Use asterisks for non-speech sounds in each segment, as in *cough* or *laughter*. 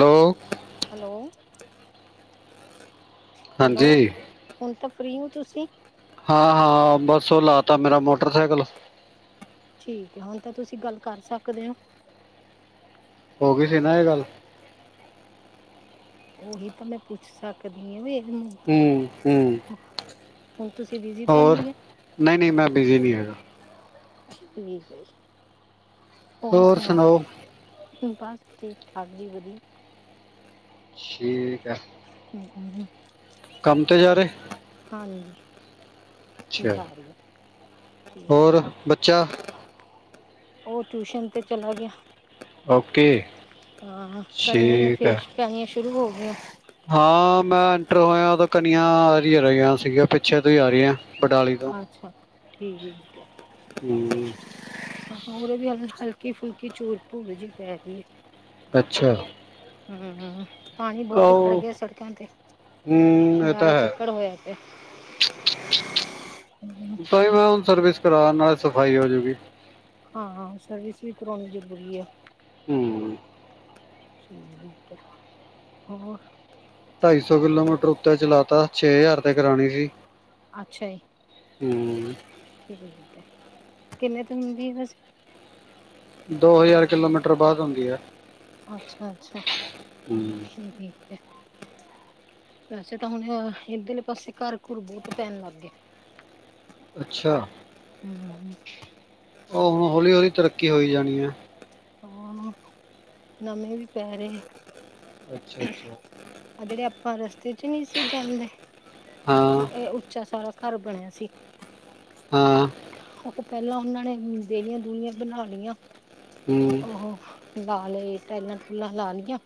Hello. Hello, hello ਹਾਂਜੀ ਹੁਣ ਤਾਂ ਫ੍ਰਰੀ ਹੋ ਤੁਸੀਂ। ਹਾਂ ਹਾਂ, ਬਸ ਔ ਲਾ ਤਾ ਮੇਰਾ ਮੋਟਰਸਾਈਕਲ। ਠੀਕ ਏ, ਹੁਣ ਤਾਂ ਤੁਸੀਂ ਗੱਲ ਕਰ ਸਕਦੇ ਹੋ। ਹੋ ਗਈ ਸੀ ਨਾ ਇਹ ਗੱਲ। ਉਹੀ ਤਾਂ, ਮੈਂ ਪੁੱਛ ਸਕਦੀ ਆ ਵੀ *unintelligible* ਹੂੰ ਹੂੰ ਹੁਣ ਤੁਸੀਂ ਬਿਜੀ ਤਾਂ ਨੀ ਹੋਰ ਗੇ। ਨਹੀਂ ਨਹੀਂ, ਮੈਂ ਬਿਜੀ ਨਹੀਂ ਹੈਗਾ। ਠੀਕ ਹੈ ਜੀ, ਔਰ ਸੁਣਾਓ? ਬਸ ਠੀਕ ਠਾਕ ਜੀ ਵਧੀਆ। ਠੀਕ ਹੈ। *unintelligible* ਕੰਮ ਤੇ ਜਾ ਰਹੇ। ਹਾਂਜੀ। *unintelligible* ਅੱਛਾ ਹੋਰ ਬੱਚਾ ਉਹ ਟਿਊਸ਼ਨ ਤੇ ਚਲਾ ਗਿਆ ਓਕੇ ਹਾਂ ਕਣੀਆਂ ਏ ਠੀਕ ਫਿਰ ਹੈ ਸ ਪੈਣੀਆਂ ਸ਼ੁਰੂ ਹੋ ਗਈਆਂ। ਹਾਂ ਮੈਂ ਐਂਟਰ ਹੋਇਆ ਕਣੀਆਂ ਆਂ ਰਹੀਆਂ ਸੀਗੀਆਂ ਪਿੱਛੇ ਤੋਂ ਹੀ ਆ ਰਹੀਆਂ। ਬਡਾਲੀ ਤੋਂ ਅੱਛਾ ਠੀਕ-ਠੀਕ, ਹੂੰ ਉਰੇ ਵੀ ਹਲਕੀ ਫੁਲਕੀ ਚੂੂਰ ਭੂੂਰ ਜਿਹੀ ਪੈ ਗਈ ਹੈ। ਅੱਛਾ, ਹੂੰ-ਹੂੰ, ਪਾਣੀ ਬਹੁਤ ਖੜ ਉਹ ਗਿਆ, ਸੜਕਾਂ ਤੇ ਗਾਰਾ ਚਿੱਕੜ ਹੋਇਆ ਪਿਆ। *inaudible* ਭਾਈ ਮੈਂ ਹੁਣ ਸਰਵਿਸ ਕਰਾ ਨਾਲੇ ਸਫ਼ਾਈ ਹੋਜੂਗੀ। ਹਾਂ ਸਰਵਿਸ ਵੀ ਕਰਵਾਉਣੀ ਜ਼ਰੂਰੀ ਹੈ। ਹੂੰ, ਠੀਕ ਹੈ ਹੋਰ ਢਾਈ ਸੌ ਕਿਲੋਮੀਟਰ ਉੱਤੇ ਚਲਾਤਾ ਛੇ ਹਜ਼ਾਰ ਤੇ ਕਰਾਣੀ ਸੀ। ਅੱਛਾ ਜੀ। ਹੂੰ, ਠੀਕ ਹੈ ਕਿੰਨੇ ਤੋਂ ਹੁੰਦੀ ਹੈ ਬਸ ਦੋ ਹਜ਼ਾਰ ਕਿਲੋਮੀਟਰ ਬਾਅਦ ਹੁੰਦੀ ਹੈ। ਅੱਛਾ-ਅੱਛਾ ਠੀਕ ਹੈ। ਵੈਸੇ ਤਾਂ ਹੁਣ ਇੱਧਰਲੇ ਪਾਸੇ ਘਰ-ਘੁਰ ਬਹੁਤ ਪੈਣ ਲੱਗ ਗਏ। ਅੱਛਾ ਹਮ ਉਹ ਹੁਣ ਹੌਲੀ-ਹੌਲੀ ਤਰੱਕੀ ਹੋ ਜਾਣੀ ਹੈ। ਹਾਂ ਨਵੇਂ ਵੀ ਪੈ ਰਹੇ ਆ। ਅੱਛਾ-ਅੱਛਾ, ਆ ਜਿਹੜੇ ਆਪਾਂ ਰਸਤੇ 'ਚ ਨਹੀਂ ਸੀ, ਜਾਂਦੇ ਹਾਂ ਇਹ ਉੱਚਾ ਸਾਰਾ ਘਰ ਬਣਿਆ ਸੀ। ਹਾਂ, ਉਹ ਤੇ ਪਹਿਲਾਂ ਉਹਨਾਂ ਨੇ ਦੇਲੀਆਂ ਦੁਲੀਆਂ ਬਣਾ ਲਈਆਂ। ਹੂੰ ਉਹੋ ਲਾ ਲਏ ਟਾਇਲਾਂ ਟੂਲਾਂ ਲਾ ਲਈਆਂ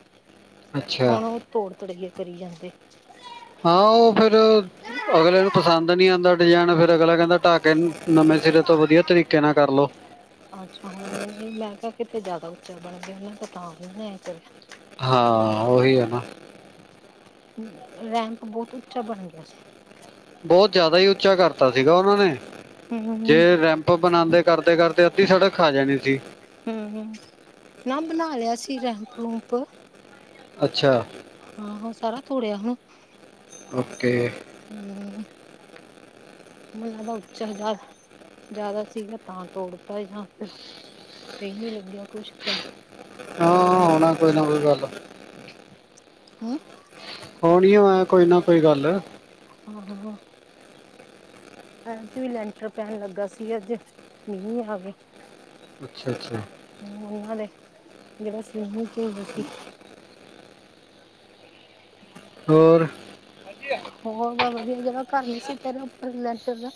ਅੱਛਾ ਹੁਣ ਉਹ ਤੋੜ ਤੁੜੀਏ ਕਰੀ ਜਾਂਦੇ। ਆਹ ਉਹ ਫੇਰ ਅਗਲੇ ਨੂੰ ਪਸੰਦ ਨਹੀਂ ਆਉਂਦਾ ਡਿਜ਼ਾਇਨ ਫਿਰ ਅਗਲਾ ਕਹਿੰਦਾ ਢਾਹਕੇ ਨਵੇਂ ਸਿਰੇ ਤੋਂ ਵਧੀਆ ਤਰੀਕੇ ਨਾਲ ਕਰਲੋ। ਅੱਛਾ ਹੁਣ ਮੈਂ ਕਿਹਾ ਕਿਤੇ ਜ਼ਿਆਦਾ ਉੱਚਾ ਬਣ ਗਿਆ ਉਹ ਤੇ ਤਾਂ ਉਹ ਨੇ ਕਰਿਆ। ਹਾਂ ਉਹੀ ਹੈ ਨਾ। ਰੈਂਪ ਬਹੁਤ ਉੱਚਾ ਬਣ ਗਿਆ ਸੀ। ਬਹੁਤ ਜ਼ਿਆਦਾ ਹੀ ਉੱਚਾ ਕਰਤਾ ਸੀਗਾ, ਉਹਨਾਂ ਨੇ ਹੂੰ। ਜੇ ਰੈਂ ਬਣਾਂਦੇ ਕਰਦੇ-ਕਰਦੇ ਅੱਧੀ ਸੜਕ ਖਾ ਜਾਣੀ ਸੀ। ਹੂੰ-ਹੂੰ ਨਾ ਬਣਾ ਲਿਆ ਸੀ ਰੈਂਪ ਰੂਂਪ ਅੱਛਾ, ਆਹੋ ਸਾਰਾ ਤੋੜਿਆ ਹਨਾ। ਓਕੇ, ਹੂੰ *unintelligible* ਮੈਨੂੰ ਲਗਾ ਦਾ ਉੱਚਾ ਜਿਆਦਾ ਜ਼ਿਆਦਾ ਸੀਗਾ ਤਾਂ ਤੋੜਤਾ ਜਾਂ ਫਿਰ ਸਹੀ ਨਹੀਂ ਲੱਗਿਆ ਕੁਛ ਤਾਂ ਹਾਂ ਆ ਨਾ ਕੋਈ ਨਾ ਕੋਈ ਗੱਲ ਹੂੰ, ਹੋਨੀ ਹੋ ਕੋਈ ਨਾ ਕੋਈ ਗੱਲ *unintelligible* ਅਜ ਵੀ ਲੈਂਟਰ ਪੈਣ ਲੱਗਾ ਸੀ, ਅੱਜ ਮੀਂਹ ਆ ਗਿਆ। ਅੱਛਾ-ਅੱਛਾ, ਹੂੰ ਉਹਨਾਂ ਦੇ ਜਿਹੜਾ ਸੀਂਮਟ ਹੈਗਾ ਸੀ। ਹੋਰ ਹੋ ਵ ਵਧੀਆ ਜੇੜਾ ਘਰ ਨੀ ਸੀ, ਪਰੇ ਉੱਪਰ ਲੈਟਰ ਦਾ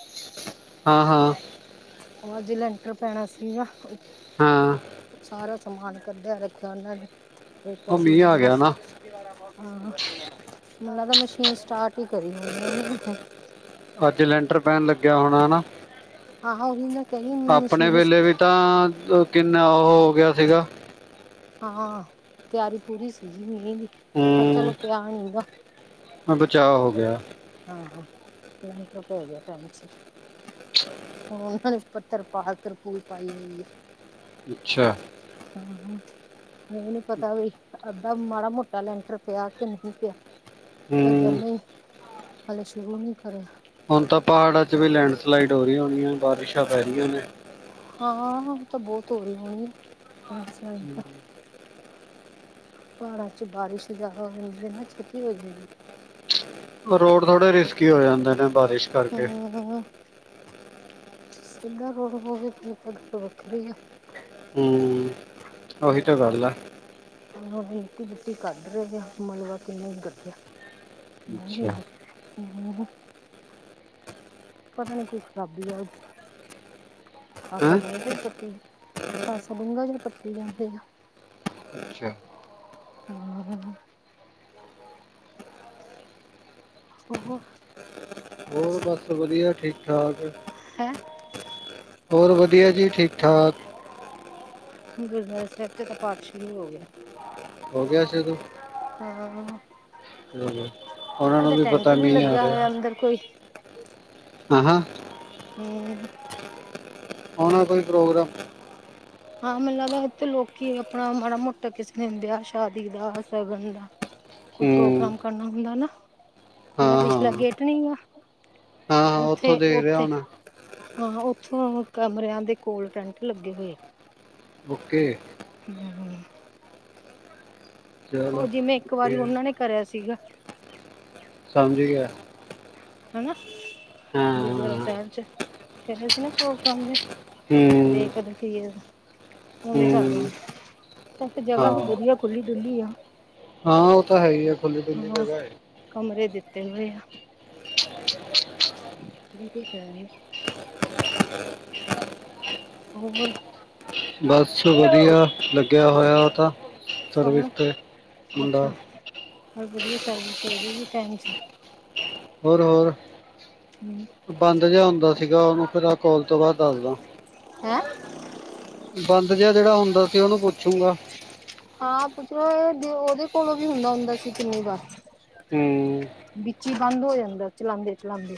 ਹਾਂ-ਹਾਂ। ਉਹ ਅੱਜ ਲੈਂਟਰ ਪੈਣਾ ਸੀਗਾ। ਹਾਂ ਸਾਰਾ ਸਮਾਨ ਕੱਢਿਆ ਰੱਖਿਆ, ਉਹਨਾਂ ਨੇ ਰੇਤਾ ਉਹ ਸੀ। ਮੀਂਹ ਆ ਮੈਨੂੰ ਗਿਆ ਨਾ ਲਗਦਾ, ਮਸ਼ੀਨ ਸਟਾਰਟ ਹੀ ਕਰੀ ਹੋਣੀ ਉਹਨਾਂ ਅੱਜ ਲੈਂਟਰ ਪੈਣ ਲੱਗਿਆ ਹੋਣਾ ਹਨਾ। ਹਾਂ ਔਹੀ ਮੈ। ਆਪਣੇ ਵੇਲੇ ਵੀ ਤਾਂ, ਕਿੰਨਾ ਉਹ ਹੋ ਗਿਆ ਸੀਗਾ। ਹਾਂ ਤਿਆਰੀ ਪੂਰੀ ਸੀਗੀ, ਮੀਂਹ ਦੀ। ਹੂੰ, ਚਲੋ ਪਿਆ ਨੀ ਗਾ। ਮ ਬਚਾਅ ਹੋ ਗਿਆ। ਹਾਂ-ਹਾਂ। *unintelligible* ਹੁਣ, ਉਹਨਾਂ ਨੇ ਉੱਪਰ ਤਰਪਾਲ ਤਰਪੂਲ ਪਾਈ ਹੋਈ ਹੈ। ਅੱਛਾ। ਹਾਂ-ਹਾਂ। ਨਹੀਂ-ਨਹੀਂ ਪਤਾ ਵੀ ਅੱਧਾ ਮਾੜਾ ਮੋਟਾ ਲੈਂਟਰ ਪਿਆ, ਕਿ ਨਹੀਂ ਪਿਆ। ਫੇਰ ਹੂੰ ਜੰਮੀ ਹਲੇ ਸ਼ੁਰੂ ਨਹੀਂ ਕਰਿਆ। ਹੁਣ ਤਾਂ ਪਹਾੜਾਂ 'ਚ ਵੀ ਲੈਂਡਸਲਾਈਡ ਹੋ ਰਹੀਆਂ, ਹੋਣੀਆਂ ਬਾਰਿਸ਼ਾਂ ਪੈ ਰਹੀਆਂ ਨੇ। ਹਾਂ ਤਾਂ ਬਹੁਤ ਹੋ ਰਹੀ ਹੋਣੀ ਆ ਸੀ ਸਣੀ ਤਾਂ ਪਹਾੜਾਂ ਚ ਬਾਰਿਸ਼ ਜ਼ਿਆਦਾ ਹੋ ਜਾਂਦੀ ਹੈ, ਨਾ ਛੇਤੀ ਹੋ ਜਾਂਦੀ ਹੈ। ਰੋਡ ਥੋੜੇ ਰਿਸਕੀ ਹੋ, ਜਾਂਦੇ ਨੇ ਬਾਰਿਸ਼ ਕਰਕੇ। ਹੂੰ,। ਸਿਧਾ ਰੋੜ ਹੋਵੇ, ਤਾਂ ਗੱਲ ਵੱਖਰੀ ਆ। ਹੂੰ, ਆਹੀ ਤਾ ਗੱਲ ਐ ਹੁਣ ਮਿੱਟੀ ਮੁਟੀ ਕੱਢ ਰਹੇ ਆ, ਮਤਲਬ ਕਿੰਨਾ ਹੀ ਕੱਢਿਆ। ਅੱਛਾ *unintelligible* ਪਤਾ ਨੀ ਕੋਈ ਖ਼ਰਾਬੀ ਅਜ ਹਸ ਹਾਂ ਡੂੰਘ ਪੱਟੀ। ਖਾਸਾ ਡੂੰਘਾ ਜਿਰ ਪੱਟ ਜਾਂਦੇ ਆ ਅੱਛਾ ਹੂੰ। ਉਹ ਹੋਰ ਬਸ ਵਧੀਆ ਠੀਕ-ਠਾਕ। ਹੈ। ਹੋਰ ਵਧੀਆ ਜੀ ਠੀਕ ਠਾਕ। ਗੁਰਦੁਆਰਾ ਸਾਹਿਬ ਚ ਤਾਂ ਪਾਠ ਸ਼ੁਰੂ ਹੋ ਗਿਆ। ਹੋ ਗਿਆ ਸੀ ਉਦੋਂ ਹਾਂ, ਉਹਨਾਂ ਨੂੰ ਵੀ ਪਤਾ ਨਹੀਂ ਆ ਰਿਹਾ। ਅਧਰ ਕੋਈ ਆ ਹਾ। ਹੂੰ। ਆਣਾ ਕੋਈ ਪ੍ਰੋਗਰਾਮ। ਹਾਂ ਮੈਨੂੰ ਲੱਗਦਾ ਇੱਥੇ ਲੋਕੀ ਆਪਣਾ ਮਾੜਾ ਮੋਟਾ ਕਿਸੇ ਵਿਆਹ ਸ਼ਾਦੀ ਦਾ ਸ਼ਗਨ ਦਾ। ਕੋਈ ਹੂੰ ਪ੍ਰੋਗਰਾਮ ਕਰਨਾ ਹੁੰਦਾ ਨਾ ਹਾਂ ਜਿਹੜਾ ਹਾਂ ਪਿਛਲਾ ਗੇਟ ਨੀ ਗਾ ਹਾਂ ਹਾਂ ਉੱਥੋਂ ਉੱਥੇ ਦੇਖ ਰਿਹਾ -ਉੱਥੇ ਹੋਣਾ ਹਾਂ ਉੱਥੋਂ ਕਮਰਿਆਂ ਦੇ ਕੋਲ ਟੈਂਟ ਲੱਗੇ ਹੋਏ। ਓਕੇ ਹਮ- ਹਮ। ਚਲੋ ਉਹ ਜਿਵੇਂ ਇੱਕ ਵਾਰੀ ਵਧੀਆ, ਉਹਨਾਂ ਨੇ ਕਰਿਆ ਸੀਗਾ। ਸਮਝ ਗਿਆ। ਹਨਾ, ਗੁਰਦੁਆਰਾ ਹਾਂ ਸਾਹਿਬ ਚ ਕਰਿਆ ਸੀ ਨਾ ਪ੍ਰੋਗਰਾਮ ਦੇ। ਹੂੰ ਦੇਖ ਓਧਰ ਕੀ ਏ, ਔਵੇਂ ਈ ਕਰਦਾ। ਹੂੰ ਵੈਸੇ ਹਾਂ ਜਗ੍ਹਾ ਵੀ ਵਧੀਆ ਖੁੱਲ੍ਹੀ ਡੁੱਲੀ ਆ। ਹਾਂ, ਓਹ ਤਾਂ ਹੈ ਈ ਹੈ ਖੁੱਲੀ ਡੁਲੀ ਹਾਂ ਜਗ੍ਹਾ ਹੈ। ਕਮਰੇ ਦਿੱਤੇ ਹੋਏ ਆ, ਵਈ ਕੋਈ ਕੇ ਨਾ। ਹੋਰ? ਬਸ ਵਧੀਆ, ਲੱਗਿਆ ਹੋਇਆ ਓਹ ਤਾਂ, ਸਰਵਿਸ ਕੌਣ ਤੇ ਮੁੰਡਾ। ਹੋਰ ਵਧੀਆ, ਸਰਵਿਸ ਹੋਜੂਗੀ ਟਾਈਮ ਸਿਰ। ਹੋਰ ਹੋਰ ਹੂੰ। ਬੰਦ ਜਾ ਹੁੰਦਾ ਸੀਗਾ ਓਹਨੂੰ ਫਿਰ ਆ ਕੋਲ ਤੋਂ ਬਾਦ ਦੱਸਦਾ। ਹੈਂ। ਬੰਦ ਜਿਹਾ ਜਿਹੜਾ ਹੁੰਦਾ ਸੀ ਓਹਨੂੰ ਪੁੱਛੂਗਾ। ਹਾਂ, ਪੁੱਛ ਲੋ ਓਹ ਦੇ ਓਦੇ ਕੋਲੋਂ ਵੀ ਹੁੰਦਾ- ਹੁੰਦਾ ਸੀ ਕਿੰਨੀ ਦਾ। ਹੂੰ। ਵਿੱਚ ਹੀ ਬੰਦ ਹੋ ਜਾਂਦਾ ਚਲਾਉਦੇ-ਚਲਾਉਦੇ।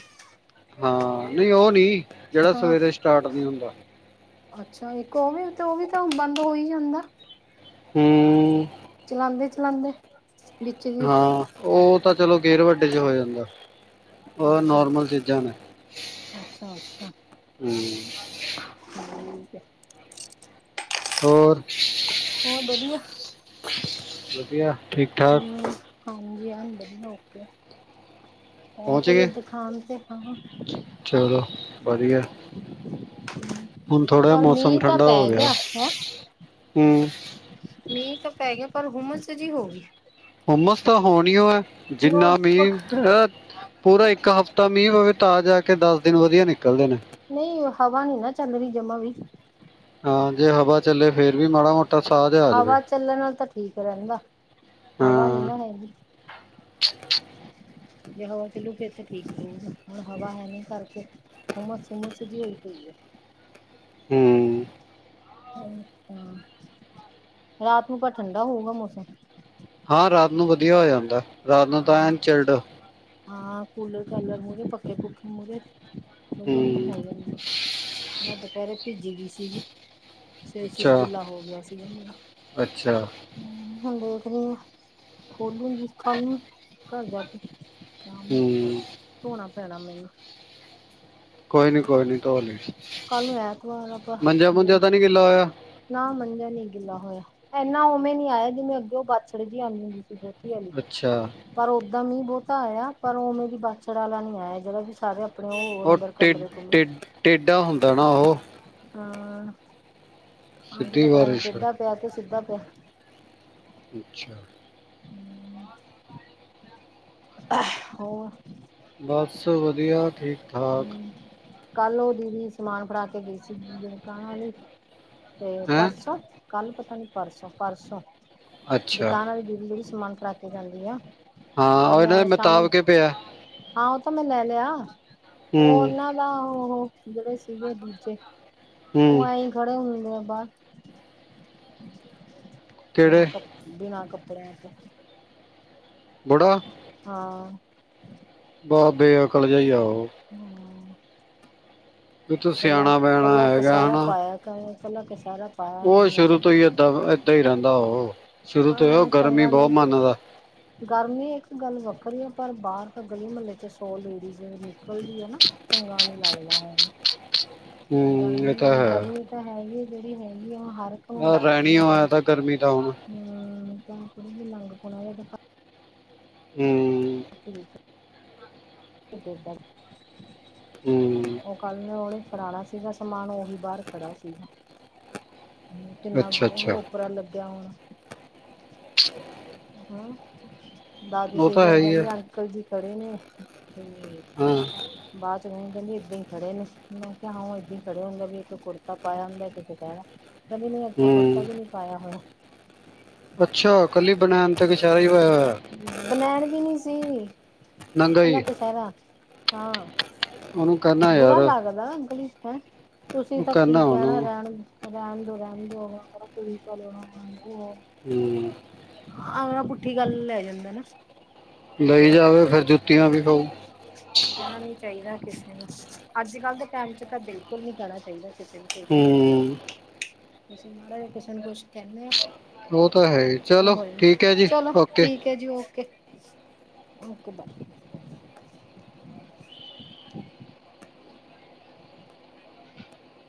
ਹਾਂ ਨਹੀਂ ਉਹ ਨੀ, ਜਿਹੜਾ ਹਾਂ ਸਵੇਰੇ ਸਟਾਰਟ ਨੀ ਹੁੰਦਾ। ਅੱਛਾ, ਇੱਕ ਉਹ ਵੀ ਤੇ ਉਹ ਵੀ ਤਾਂ ਬੰਦ ਹੋ ਹੀ ਜਾਂਦਾ। ਹੂੰ। ਹੂੰ। ਚਲਾਉਂਦੇ-ਚਲਾਉਂਦੇ। ਹਾਂ, ਉਹ ਤਾਂ ਚਲੋ ਗੇਰ ਵੱਡੇ ਚ ਹੋ ਜਾਂਦਾ। ਉਹ ਨੋਰਮਲ ਚੀਜ਼ਾਂ ਨੇ, ਅੱਛਾ-ਅੱਛਾ-ਅੱਛਾ ਹੂੰ। ਠੀਕ ਏ। ਹੋਰ? ਹੋਰ ਵਧੀਆ, ਵਧੀਆ ਠੀਕ ਠਾਕ ਹੂੰ। ਹਾਂਜੀ ਐਣ ਵਧੀਆ ਓਕੇ, ਪਹੁੰਚ ਗਏ ਦੁਕਾਨ ਤੇ ਹਾਂ। ਚਲੋ ਵਧੀਆ। ਹੁਣ ਥੋੜਾ ਜਾ ਪਰ ਮੌਸਮ ਮੀਂਹ ਤਾਂ ਠੰਡਾ ਪੈ ਹੋ ਗਿਆ ਆ, ਹੈਂ ਹੂੰ। ਮੀਂਹ ਤਾਂ ਪੈ ਗਿਆ ਪਰ ਹੁਮਸ ਜਿਹੀ ਹੋ ਗਈ। ਹੁੰਮਸ ਤਾਂ ਹੋਣਿਓ ਐ, ਜਿੰਨਾ ਉਹ ਪੱਖ ਮੀਂਹ ਪੈ ਪੂਰਾ ਇੱਕ ਹਫ਼ ਤਾਂ ਮੀਂਹ ਪਵੇ ਤਾਂ ਜਾ ਕੇ ਦਸ ਦਿਨ ਵਧੀਆ ਨਿਕਲਦੇ ਨੇ। ਨਹੀਂ ਹਵਾ ਨੀ ਨਾ ਚੱਲ ਰਹੀ ਜਮਾ ਵੀ। ਹਾਂ, ਜੇ ਹਵਾ ਚੱਲੇ ਫੇਰ ਵੀ ਮਾੜਾ ਮੋਟਾ ਸਾਹ ਜਿਹਾ ਆ ਜਾਵੇ। ਹਵਾ ਚੱਲਣ ਨਾਲ ਤਾਂ ਠੀਕ ਰਹਿੰਦਾ। ਹਵਾ ਨੀ ਹਾਂ, ਨਾ ਹੈਗੀ। ਜੇ ਹਵਾ ਚੱਲੂ ਫੇਰ ਤੇ ਠੀਕ ਰਹੂਗਾ, ਹੁਣ ਹਵਾ ਹੈ ਨੀ ਕਰਕੇ ਹੁੰਮਸ-ਹੁੰਮਸ ਜੀ ਹੋਈ ਪਈ ਐ। ਹੂੰ। ਅੱ ਆ, ਰਾਤ ਨੂੰ ਤਾ ਠੰਡਾ ਹੋਊਗਾ ਮੌਸਮ। ਹਾਂ, ਰਾਤ ਨੂੰ ਵਧੀਆ ਹੋ ਜਾਂਦਾ, ਰਾਤ ਨੂੰ ਤਾਂ ਹਾਂ ਐਨ ਚਿਲਡ। ਹਾਂ, ਕੂਲਰ-ਕਾਲਰ ਮੂਹਰੇ, ਪੱਖੇ ਪੁਖੇ ਮੂਹਰੇ ਵਧੀਆ ਇਹਨੂ ਹੂੰ, ਹੋ ਜਾਣ ਮੈਂ ਦੁਪਹਿਰੇ ਭਿੱਜੀ ਗੀ ਸੀਗੀ। ਸਿਰ ਸੁਰ ਅੱਛਾ, ਗਿੱਲਾ ਹੋ ਗਿਆ ਸੀਗਾ ਮੇਰਾ। ਅੱਛਾ। ਹੂੰ, ਹੁਣ ਦੇਖਦੀ, ਖੋਲੂੰਗੀ ਕੱਲ ਨੂੰ ਘਰ ਜਾ ਕੇ। ਸਾਮ ਨੂੰ, ਹੂੰ, ਧੋਣਾ ਪੈਣਾ ਮੈਨੂੰ। ਕੋਈ ਨੀ ਕੋਈ ਨੀ ਧੋਲੀ, ਕੱਲ ਨੂੰ ਐਤਵਾਰ ਆ ਮੰਜਾ -ਮੂੰਜਾ ਪਰ ਤਾਂ ਨੀ ਗਿੱਲਾ ਹੋਇਆ ਨਾ ਮੰਜਾ ਨੀ ਗਿੱਲਾ ਹੋਇਆ, ਐਨਾ ਔਵੇਂ ਨੀ ਆਇਆ ਜਿਵੇਂ ਅੱਗੇ ਔ ਬਾਛੜ ਜੀ ਆਉਂਦੀ ਹੁੰਦੀ ਸੀ। ਬੋਤੀ ਆਂਲੀ। ਅੱਛਾ, ਪਰ ਓੱਦਾਂ ਮੀਂਹ ਬਹੁਤਾ ਆਯਾ, ਪਰ ਔਵੇਂ ਦੀ ਬਾਛੜ ਆਲਾ ਨੀ ਆਯਾ, ਜੇੜਾ ਵੀ ਸਾਰੇ ਅਪਣੇ ਓਹ ਅੰਦਰ ਕਮਰੇ ਕੁਮਰੇ ਟੇਡ-ਟੇਡ-ਟੇਡਾ ਹੁੰਦਾ ਨਾ ਓਹ। ਹਾਂ, ਅੱਜ ਤਾਂ ਸਿੱਧੀ ਪਤਾ ਨੀ, ਬਾਰਿਸ਼। ਟੇਡਾ ਪਿਆ ਕੇ ਸਿੱਧਾ ਪਿਆ। ਅੱਛਾ। ਹੂੰ। *unintelligible* ਹੋਰ ਬਸ, ਵਧੀਆ ਠੀਕ -ਠਾਕ। ਹਮ। ਕੱਲ ਉਹ ਦੀਦੀ ਸਮਾਨ ਫੜਾ ਕੇ ਗਈ ਸੀ, ਦੁਕਾਨ ਆਲੀ, ਤੇ ਹੈਂ, ਪਰਸੋਂ? ਕੱਲ ਪਤਾ ਨੀ, ਪਰਸੋਂ - ਪਰਸੋਂ, ਅੱਛਾ। ਦੁਕਾਨ ਆਲੀ ਦੀਦੀ, ਜੇੜੀ ਸਮਾਨ ਫੜਾ ਕੇ ਜਾਂਦੀ ਆ। ਹਾਂ, ਤੇ ਉਹ ਇਹਨਾਂ ਦੇ ਮੈਂ ਸ਼ਾਮ ਮਿਤਾਬ ਅਗੇ ਪਿਆ। ਹਾਂ, ਉਹ ਤਾਂ ਮੈਂ ਲੈ ਲਿਆ। ਉਹ ਹੂੰ, ਉਹਨਾਂ ਦਾ, ਉਹ ਜਿਹੜੇ ਸੀਗੇ ਦੂਜੇ, ਉਹ ਹੂੰ, ਆਈ। ਖੱੜੇ ਹੁੰਦੇ ਆ ਬਾਹਰ, ਯਾ ਕਿਹੜੇ? ਕੱਪ ੜੇ। ਬਿਨਾਂ ਕੱਪੜਿਆਂ ਤੋਂ। ਬੁੜ੍ਹਾ। ਹਾਂ। ਬਾ ਬੇਅਕਲ ਜੇਹਾ ਹੀ ਹੈ ਉਹ। ਹੂੰ। ਵੀ ਤੂੰ ਕੱਲਾ - ਸਿਆਣਾ-ਬਿਆਣਾ ਕੱਲਾ ਹੈਗਾ ਕਛਹਿਰਾ ਹਨਾ। ਪਾਇਆ, ਕੱਲਾ ਕਛਹਿਰਾ। ਉਹ ਸ਼ੁਰੂ ਤੋਂ ਹੀ ਏਦਾਂ - ਏਦਾਂ ਹੀ ਰਹਿੰਦਾ ਔ, ਸ਼ੁਰੂ ਤੋਂ ਹੀ ਔ ਅ ਗਰਮੀ ਚੰਗਾ ਬਹੁਤ ਨਹੀਂ ਮੰਨਦਾ। ਗਰਮੀ ਇੱਕ ਗੱਲ ਵੱਖਰੀ ਹੈ, ਪਰ ਬਾਹਰ ਤਾਂ ਗਲੀ ਮਹੱਲੇ 'ਚ ਸੌ ਲੇਡੀਜ਼ ਨਿਕਲਦੀ ਹੈ ਨਾ। ਚੰਗਾ ਨੀ ਲੱਗਦਾ ਹੈ। ਹੂੰ ਇਹ ਗਰਮੀ ਤਾਂ ਹੈ, ਗਰਮੀ ਤਾਂ ਹੈਗੀ ਹੈ ਜਿਹੜੀ ਹੈਗੀ ਆ, ਉਹ ਹਰ ਆ ਰਹਿਣੀ ਹੋ ਹੈ, ਤਾਂ ਗਰਮੀ ਤਾਂ ਹੁਣ। ਹੁੰ, *unintelligible* ਤਾਂ ਵੀ ਲਗਣਾ ਤਾਂ ਹੁੰ,। ਅੱ *unintelligible* ਉਹ ਹੂੰ ਕੱਲ ਨੇ, ਔ ਨੇ ਫੜਾਣਾ ਸੀ। ਜਿੱਦਾਂ ਸਮਾਨ, ਉਹੀ ਬਾਹਰ ਖੜਾ ਸੀਗਾ। ਕਿੰਨਾ, ਅੱਛਾ ਉਹਨੂੰ ਅੱਛਾ ਔਪਰਾ ਲੱਗਿਆ ਹੋਣਾ। ਹਾਂ, ਦਾਦੀ ਉਹ ਤਾਂ ਹੈ ਸੀਗੇ। ਹੀ ਹੈ ਕਹਿੰਦੀ, ਅੰਕਲ ਜੀ ਖੜੇ ਨੇ। ਹਾਂ। ਬਾਅਦ 'ਚ ਮੈਨੂੰ ਕਹਿੰਦੀ, ਇਦਾਂ ਹੀ ਖੜੇ ਨੇ। ਮੈ ਕਿਹਾ, ਹਾ ਔ ਏਦਾਂ ਹੀ ਖੜੇ ਹੁੰਦੇ, ਵੀ ਇੱਕ ਕੁੜਤਾ ਪਾਇਆ ਹੁੰਦਾ, ਇੱਕ ਕਚਹਿਰਾ। ਕਹਦੀ ਨਹੀ, ਆਜ ਤਾਂ ਕੁੜਤਾ ਹੂੰ ਵੀ ਨੀ ਪਾਇਆ ਹੋਇਆ। ਅੱਛਾ, ਘਲੀ ਬਨੈਨ ਤੇ ਕਛੈਹਿਰਾ ਹੀ ਹੋਇਆ ਹੋਇਆ? ਬਨੈਨ ਵੀ ਨੀ ਸੀ, ਨੰਗਾ ਹੀ ਘਲ੍ਹਾ ਕਛੇਹਿਰਾ ਹਾਂ। ਔ ਨੂੰ ਬੁਰਾ ਲੱਗਦਾ ਗਲੀ ਚ, ਐ ਤੁਸੀਂ ਤਾਂ ਕੀ ਕਹਿਣਾ ਰਹਿਣ ਦੋ ਰਹਿਣ ਦੋ, ਰਹਿਣ ਦੋ ਪੁਲਿਸ ਵਾਲੇ ਆਉਣਾ ਏ। ਹੂੰ। ਆਹੋ, ਬੁੱਟਿਕ ਆਲੇ ਲੈ ਜਾਂਦਾ ਨਾ? ਲਈ ਜਾਵੇ, ਫਿਰ ਜੁ ਹੈ ਕਿ ਨਹੀ? ਕਹਿਣਾ ਨੀ ਚਾਹੀਦਾ ਕਿਸੇ ਨੂੰ, ਅੱਜ - ਕੱਲ ਦੇ ਟਾਈਮ 'ਚ ਤਾਂ, ਬਿਲਕੁਲ ਨੀ ਕਹਿਣਾ ਚਾਹੀਦਾ। ਕਿਸੇ ਨੂੰ ਕੁਛ ਨਹੀ, ਹੂੰ ਅਸੀਂ ਮਾੜਾ ਕਿਸੇ ਨੂੰ ਕੁਛ ਕਹਿੰਨੇ ਆ। ਉਹ ਤਾਂ ਹੈ ਹੀ। ਔ ਚਲੋ ਹੋਏ ਠੀਕ ਹੈ ਜੀ ਚਲੋ, ਓਕੇ ਠੀਕ ਹੈ ਜੀ, ਔ ਕੇ। ਕਿਦਾਂ ਦੀ